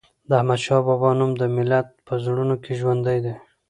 د احمد شاه بابا نوم د ملت په زړونو کې ژوندی دی.